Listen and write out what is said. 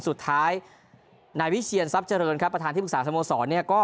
สุดท้ายนายพิเชียรทรัพย์เจริญประธานที่ปรึกษาสมสร